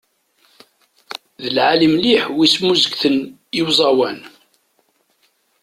D lεali mliḥ w' ismuzegten i uẓawan.